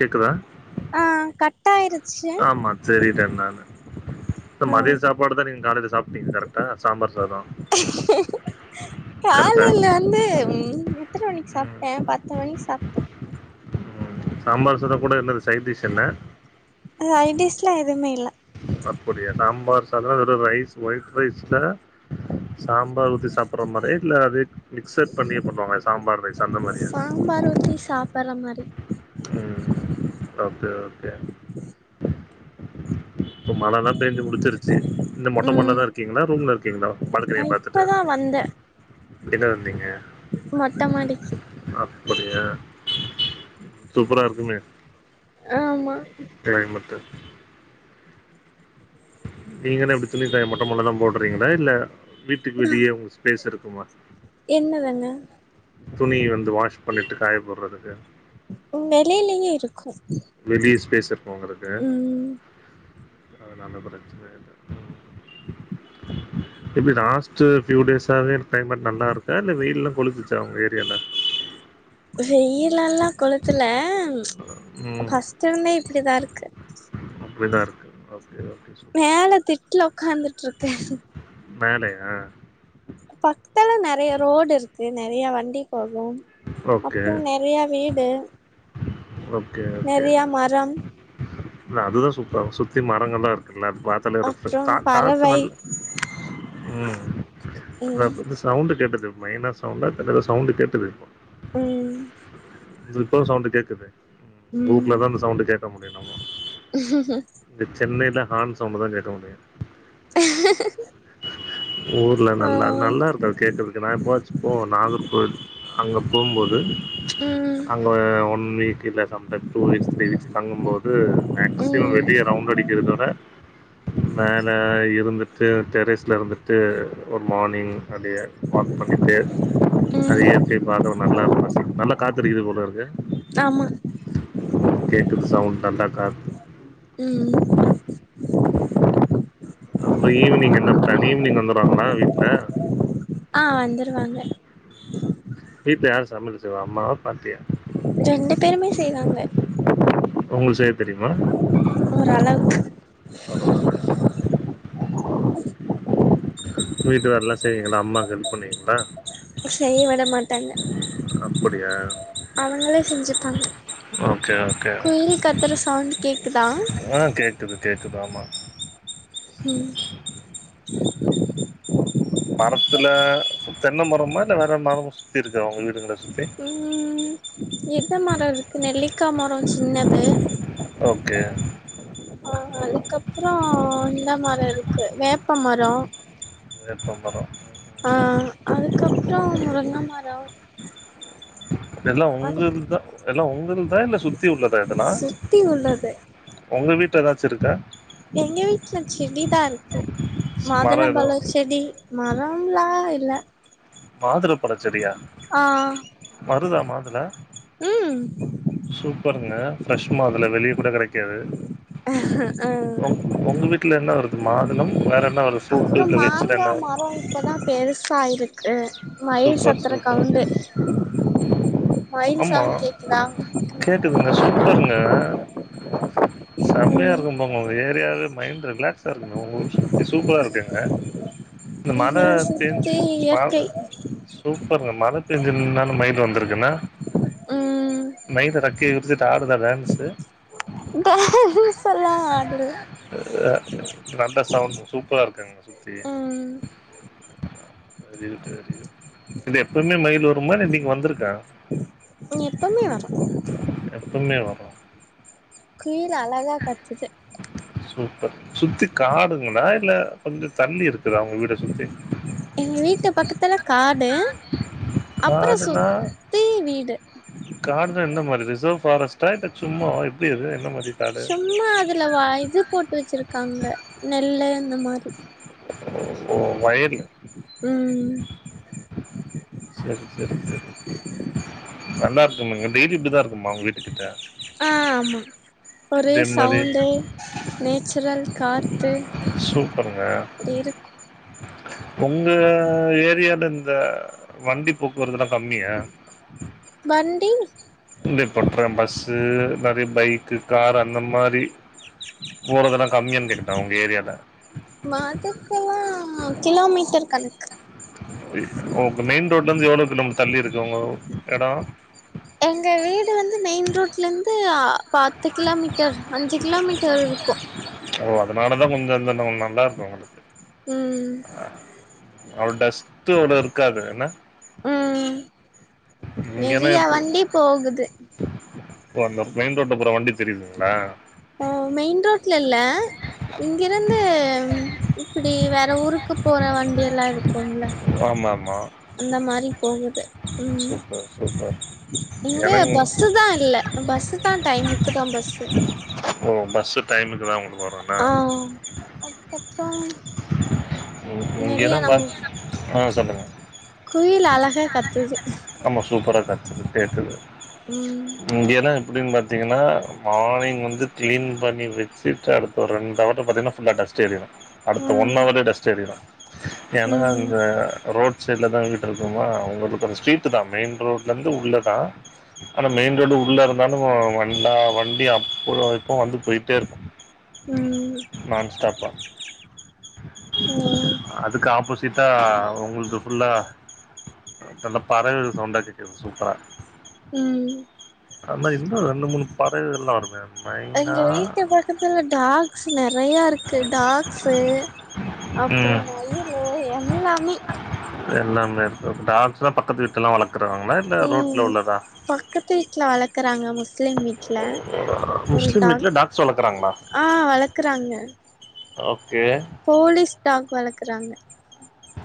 கேக்குதா ஆ கட் ஆயிருச்சு சேரின்ட்டே நானு ஆ மதிய சாப்பாடு தா நீங்க காலேல சாப்ட்டீங்க கரெக்டா சாம்பார் சாதோ கரெக்டா காலேல வந்து எத்தன மணிக்கு ம் சாப்ட்டே பத்து மணிக்கு சாப்ட்டே ம் சாம்பார் சாதோ கூட என்னது சைடிஷ் என்ன சைடிஸ்லா எதுவுமே இல்ல அப்படியா சாம்பார் சாதோன்னா வெறு ரைஸ் ஒயிட் ரைஸ்ல சாம்பார் ஊத்தி சாப்டுற மாரியா இல்ல அதே மிக்சட் பண்ணியே பண்ணுவாங்களே சாம்பார் ரைஸ் அந்த மாரியா சாம்பார் ஊத்தி சாப்ட்ற மாரி ம் ஓகே ஓகே இப்ப மழல்லா பேஞ்சி முடிச்சிருச்சி இன்னு மொட்ட மாடில ம் தா இருக்கீங்களா ரூம்ல இருக்கீங்களா நா பால்கனிய பாத்துட்டு இப்பதா வந்தே என்ன வந்தீங்க மொட்ட மாடிக்கி அப்டியா சூப்பரா இருக்குமே ஆமா கிளைமெட்டு நீங்கன்னா எப்டி துணிக்காய மொட்ட மாடில தா போடுறீங்களா இல்ல வீட்டுக்கு வெளிய உங்க ஸ்பேஸ் இருக்குமா என்ன வெங்க துணி வந்து வாஷ் பண்ணிட்டு காய போடுறதுக்கு வெளிலயே இருக்கு வெளிய ஸ்பேஸ் இருக்கு ஒங்களுக்கு ம் அது நல்லதுதா இப்டி லாஸ்ட் பியூ டோஸ் ஆ வே கிளைமேட் நல்லா இருக்கா இல்ல வெயில்லா கொளுத்துச்சா உங்க ஏரியால வெயில் எல்லா கொளுத்தலா ஃபர்ஸ்ட் இருந்தே இப்டிதா இருக்கு அப்டிதா இருக்கு ஓகே சேரி ஓகே சொல் மேல திட்ல ஒக்காந்துட்டு இருக்கே மேலயா பக்கத்துல நெறையா ரோடு இருக்கு நெறையா வண்டி போகு ஓகே, அப்பறோ நெறையா வீடு ஓகே, ஓகே. நெறையா மரம் இல்ல அதுதா சூப்பரா இருக்கு சுத்தி மரங்கள்லா இருக்குல்ல அது பாத் தாலே ரஃப் அப்றம் காத் காத்து பறவை நல்லா ம் ம் ரஃப் திஸ் சவுண்டு கேட்டது மைனா சவுண்டா தெர்ல ஏதோ சவுண்டு கேட்டது இப்போ ம் இப்பவு சவுண்ட் கேக்குது ம் ஊர்லதா அந்த சவுண்ட் கேட்க முடியு நம்ம ஹ [inaudible] இந்த சென்னைல ஹார்ன் சவுண்டதா கேக்க முடியு அஹ ஊர்ல நல்லாரு நல்லாருக்கு கேக்கறதுக்கு நா எப்போவச்சுப் போவே நாகர்கோயில் அங்க போம்போது ம் அங்க ஒன் வீக் இல்ல sometimes two weeks three weeks தங்கும் போது ம் மேக்சிமம் ம் வெளிய ரவுண்ட் அடிக்கிறத விட மேல இருந்துட்டு டெரெஸ்ல இருந்துட்டு ஒரு மார்னிங் அப்டியே வாக் பண்ணிட்டு அது இயற்கை பாக்கற நல்ல இருக்கு ரசி நல்லா காத்தடிக்குது போல இருக்கு ஆமா ம் கேக்குது சவுண்ட் நல்லா காத் ம் அப்றோ ஈவ்னிங் என்ன ப்ளான் ஈவ்னிங் வந்துருவாங்ளா வீட்ல ஆ வந்துருவாங்க வீட்ல யாரு சமயல் செய்வா அம்மாவா பாட்டியா ரெண்டு பேருமே செய்வாங்க ஒங்ளுக்கு செய்ய தெரியுமா ஓரளவுக்கு பரவால வீட்டு வேலல்லா செய்விங்ளா அம்மாக்கு ஹெல்ப் பண்ணுவிங்ளா செய்ய விட மாட்டாங்க அப்படியா அவங்களே செஞ்சுப்பாங்க ஓகே ஓகே ஓகே குயில் கத்துற சவுண்ட் கேக்குதா து கேக்குது ஆமா ம் மரத்துல தென்ன மரமா இல்ல வேற மரமு சுத்தி இருக்கா உங்க வீடுகள சுத்தி இந்த மரோ இருக்கு நெல்லிக்கா மரோ சின்னது ஓகே ஆ அதுக்கப்றோ இந்த மரோ இருக்கு வேப்ப மரோ எந்தமர ஆ அதுக்கப்றோ முருங்க மரோ எல்லா அதுக்கு உங்குள்தா எல்லா உங்குள்தா இல்ல சுத்தி உள்ளதா இதெல்லா சுத்தி உள்ளது ஒங்க வீட்ல ஏதாச்சு இருக்கா எங்க வீட்ல செடிதா இருக்கு மரம் எதோ மாதுளம்பழ செடி மரம்லா இல்ல மாதுள பழச்செடியா ஆ வருதா மாதுள ம் சூப்பருங்க ஃப்ரெஷ் மாதுள வெளிய கூட கெடைக்காது ஆ ஒங்க வீட்ல என்ன வருது மாதுளம் வேற என்ன வருது அப்றோ ஃப்ரூட்டு இல்ல வெஜ்ஜில மாங்கா என்னா வ மரோ இப்பதா பெருசாயிருக்கு மயில் சூப்பர் சத்துர சூப்பர் கவுண்டு மயில் சவுண்ட் கேக்குதா துங்க சூப்பருங்க செம்மையா ம் இருக்கு போங்க உங்க ஏரியாவே மைண்ட் ரிலாக்ஸ் ஆ இருக்குங்க உங்க ஊர் சுத்தி சூப்ரா இருக்குங்க இந்த மழ இத சுத்தி பேஞ்சு மழ இயற்கை சூப்பருங்க மழ பேஞ்சுன்னாலு மைலு வந்திருக்குன்னா ம் மைலு இறக்கய விரிச்சிட்டு ஆடுதா டான்ஸு டேன்சுலா ஆடுல அ நல்ல சவுண்ட் சூப்பரா இருக்குங்க சுத்தி ம் வெரி குட் வெரி குட் இது எப்பமே மயிலு வருமா இல்ல இன்னக்கி வந்திருக்கா எப்பமே வரு எப்பவுமே வரு குயில் அழகா கத்துது சூப்பர் சுத்தி காடுங்களா இல்ல கொஞ்ச தள்ளி இருக்குதா உங்க வீட சுத்தி எங்க வீட்டு பக்கத்துல காடு அப்றோ காடுனா சுத்தி வீடு காடுன்னா என்ன மாரி ரிசர்வ் ஃபாரஸ்ட்டா இல்ல சும்மா எப்டி அது என்ன மாரி காடு சும்மா அதுல வா இது போட்டு வச்சிருக்காங்க நெல்லு இந்த மாரி ஓ ஓ வயல் ம் சரி சரி சரி நல்லா இருக்குமாங்க டெய்லி இப்டிதா இருக்குமா உங்க வீட்டு கிட்ட ஆ ஆமா ஒரே மாரி சவுண்டு நேச்சுரல் காத்து சூப்பருங்க அப்டி இருக்கு உங்க ஏரியால இந்த வண்டி போக்குவரத்துல்லா கம்மியா வண்டி பண்றே பஸ்ஸூ நெறைய பைக்கு கார் அந்த மாரி போறதடம் கம்மியாந்ருட்டே உங்க ஏரியால மாதுக்கல்லா கிலோமீட்டர் கணக்கு ஓ மெயின் ரோட்ல இருந்து எவ்ளவுக்கு நம்ம தள்ளி இருக்கு உங்க இட எங்க வீடு வந்து மெயின் ரோட்லருந்து அ பத் பத்து கிலோமீட்டர் அஞ்சு கிலோமீட்டர் இருக்கு ஓ அதனாலதா கொஞ்ச இந்த அவுங் நல்லா இருக்கு உங்களுக்கு ம்.. அவ்ளவு டஸ்ட் வுட இருக்காது என்ன ம்.. இங்கனா நெறைய எப்போ வண்டி போகுது இப்ப அந்த மெயின் ரோட்ல போற வண்டி தெரியுதுங்ளா மெயின் ரோட்ல இல்ல இங்கிருந்து இப்டி வேற ஊருக் க்கு போற வண்டியெல்லா இருக்கும்ல ஆமா ஆமா அந்த மாரி போகுது ம் சூப்பர் சூப்பர் இங்க எனக்கு பஸ் தா இல்லை பஸ் தா டைமுக்குதா பஸ்ஸு ஓ பஸ்ஸு டைமுக்கு தா உங்களுக்கு வரு ஆ.. அப்ப்ப இங்கேதா பாஸ் ஆ சொல்லுங்க குயில் அழகா கத்து து ஆமா சூப்பரா கத்துது கேக்குது ம் இங்கேனா எப்டின்னு பாத்தீங்னா மார்னிங் வந்து கிளீன் பண்ணி வச்சுட்டு அடுத்த ஒரு ரெண்டு ஹவர்ல பாத்தீங்கன்னா ஃபுல்லா டஸ்ட் ஏரிடு அடுத்த ஒன் ம் அவர்ல டஸ்ட் ஏரிடு ஏன்னா ம் இந்த ரோட் சைட்ல தா க்குமா அவுங்களுக்கு அந்த ஸ்ட்ரீட் தா மெயின் ரோட்ல இருந்து உள்ள தா ஆனா மெயின் ரோடு உள்ள இருந்தாலு அ வண்டா வண்டி அப்ப இப்ப வந்து போயிட்டே இருக்கு [inaudible] ம்... நான்ஸ்டாப்பா ம் அதுக்கு ஆப்போசிட்டா உங்ல்து ஃபுல்லா தெர்ல பறவைகள் சவுண்டா கேக்குது சூப்பர் ம்.. அந்மாரி இன்னு ரெண்டு மூணு பறவைகள் எல்லா வருமே மைனா எங்க வீட்டு பக்கத்துல டாக்ஸ் நெறைய இருக்கு டாக்ஸு ம் அப்றோம் மல்லில எல்லாமே எல்லாமே இருக்கு டாக்ஸ்லா பக்கத்து வீட்லலா வளக் ம் பக்கத்து வீட்ல வளக்குறாங்க மு ஸ்லீம் மீட்ல ஒரு முஸ்லீம் டாக் வீட்டில் டாக்ஸ் வளர்க்குறாங்களா ஆ வளக்குறாங்க ஓகே போலீஸ் டாக் வளக்குறாங்க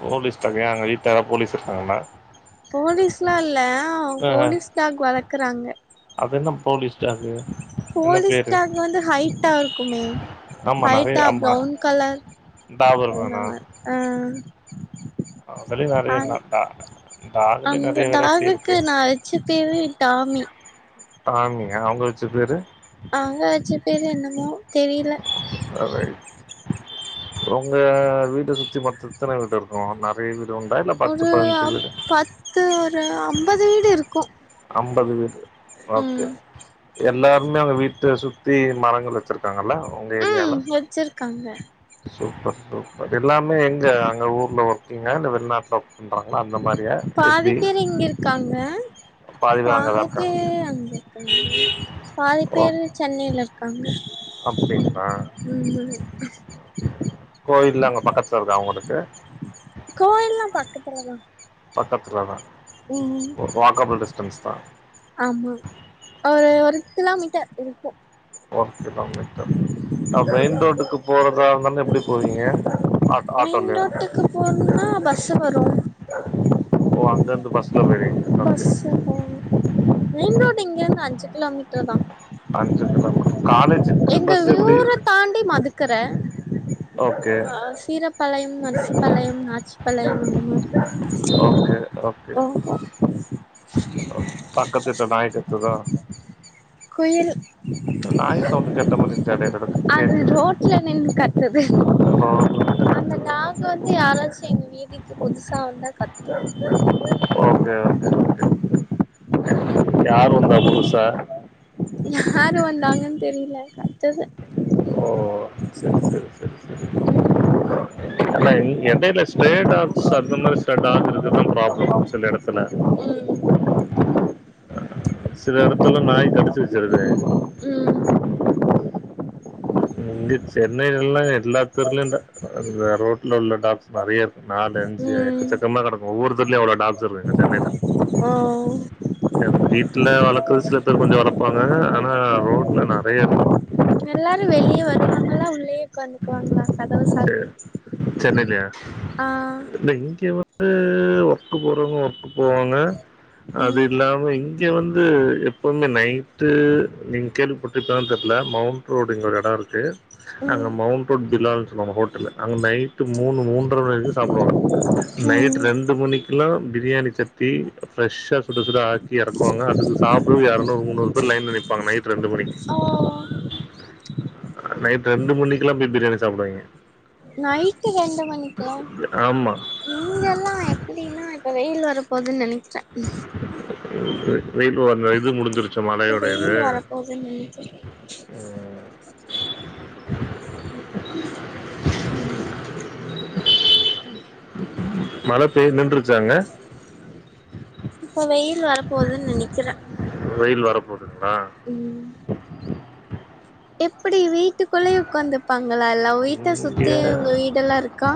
போலீஸ் டாக் ஏன் அங்க வீட்டு எதா போலீஸ் இருக்காங்கலா போலீஸ்லா இல்ல போலீஸ் டாக் வளக்குறாங்க அதென்ன போலீஸ் டாக்கு போலீஸ் டாக் வந்து ஹைட்டா இருக்குமே ஆமாம் நிறைய ஹைட்டா ஆமாம் ப்ரவுன் கலர் டாபர் வேணா அந்தமாரி ஆஹ் அதுலயு வேலய காட்டா அந்த டாகுக்கு நா வச்ச பேரு டாமி டாமியா அவுங்க வச்ச பேரு அவுங்க வச்ச பேரு என்னமோ தெரில ஓகே உங்க வீட்ட சுத்தி மொத்த எத்தன வீடு இரு ஓ நிறைய வீடு உண்டா இல்ல பத்து பதினஞ்சு வீடு அது ஒரு அம்பது வீடு இருக்கு அம்பது வீடு ஓகே ம் எல்லாருமே அவுங்க வீட்ட சுத்தி மரங்கள் வச்சிருக்காங்கல்ல உங்க ம் ஏரியால வச்சிருக்காங்க சூப்பர் சூப்பர் எல்லாமே எங்க அங்க ஊர்ல ஒர்க்கீங்கா இல்ல வெளிநாட்ல பண்றாங்களா அந்த மாரியா எப்டி க்காங்க பேர் அங்கதா பாதி இருக்காங்க பேர் அங்க இருக்காங்க பாதி ஓ பேரு சென்னையில இருக்காங்க அப்டிங்களா ம் கோயில்லா அங்க பக்கத்துல இருக்கா அவுங்களுக்கு கோயில்லா பக்கத்துல தா பக்கத்துல தா உம் உம் வாக்கபுள் டிஸ்டன்ஸ் தா ஆமா ஒரு ஒரு கிலோமீட்டர் இருக் ஒரு கிலோமீட்டர் அ மெயின் ரோட்டுக்கு போறதா இருந்தாலு எப்டி போவீங்க ஆட் மெயின் ஆட்டோலயா ரோட்டுக்கு போணுன்னா பஸ்ஸு வரும் ஓ அங்கருந்து பஸ் பஸ்ல போவோ மெயின் ரோடு இங்கருந்து அஞ்சு கிலோமீட்டர் தா அஞ்சு கிலோமீட்டர் காலேஜுக்கு எங்க பஸ் எப்படி ஊர தாண்டி மதுக்கற ஓகே ஆ சீரப்பாளயம் நரிசிப்பாளையம் நாச்சிப்பாளையம் இந்த மாரி ஓகே ஓகே போகோ பக்கத்து வீட்டு நாய் கத்துதா குயில் நாய் சவுண்டு கேட்ட மாதிரி இருந்துச்சு இடையில எனக்கு அது கேக்குது ரோட்ல நின்னு கத்துது ரோட்ல வந்து அந்த கத்துது டாக் ஓகே வந்து யாராச்சு எங்க வீட்டுக்கு புதுசா வந்தா கத்தும் ஓகே ஓகே ஓகே யார் வந்தா புதுசா யாரு வந்தாங்கன் தெரில கத்துது ஓ சேரி சேரி சேரி சேரி அந்த எங் இடையில ஸ்ட்ரே டாக்ஸ் அந்த மாதிரி சில டாக் இருக்குறதா ப்ராப்ளம் சில எடத்துல [inaudible] சில இடத்துல நாய் கடிச்சு வச்சிருதே ம் ம் இங்க சென்னையில எல்லா எல்லா தெருவுல அது ரோட்ல உள்ள டாக்ஸ் நிறைய இருக் நாலஞ்சு ம் எக்கச்சக்கமா கிடக்கும் ஒவ்வொருத்தெருவுலயும் அவ்ளோ டாக்ஸ் இருக்குங் சென்னைல ஆஹ் வீட்டுல வளர்க்குறது சில பேர் கொஞ்சோ வளப்பாங்க ஆனா ரோட்ல நறைய இருக்கு எல்லாரும் வெளிய வருவாங்களா உள்ளயே உக்காந்துகுவாங்களா கதவ செ சாத்தி வச்சிட்டு சென்னைலயா ஆஹ் இல்ல இங்கே வந்து ஒர்க்கு போறவங்க ஒர்க்கு போவாங்க அது ம் இல்லாம இங் இங்கே வந்து எப்பவுமே நைட்டு நீங்க கேள்விப்பட்டீருப்ப தெரியல மவ் ரோடு இங்க ஒரு எடோ இருக்கு அங்க ம் மவுண்ட் ரோட் பிலால்னு சொல்லுவாங்க ஹோட்டல் அங்க நைட் மூணு மூன்றரை மணி வரைக்கி சாப்புடுவாங்க நைட் ம் ரெண்டு மணிக் கில்லா ப்ரியாணி சட்டி ஃபிரஷா சுட சுட ஆக்கி எறக்குவாங்க அதுக்கு சாப்புட எரநூறு முன்னூறு பேரு லைன்ல நிப்பாங்க நைட் ரெண்டு மணிக்கி ஓ நைட் ரெண்டு மணிக்கெல்லா போய் ப்ரியாணி சாப்டுவங்க நைட்டு ரெண்டு மணிக்கா ஆமா. இங்கெல்லா எப்டினா இப்போ வெய்யில் வரப்போதுனு நெனைக் [unintelligible] இது முடிஞ்சிருச்சு மழயோட இது அதா நெனைக்கே [inaudible] மழை பே நின்றுருச்சாங்க இப்போ வெய்யில் வரப்போதுன்னு நனைக்கிறே வெய்யில் வரப்போதுங்களா ம் எப்டி வீட்டுக்குள்ளேயே உக்காந்துப்பாங்களா எல்லா வீட்ட சுத்தி இங்க உங்க வீடெல்லா இருக்கா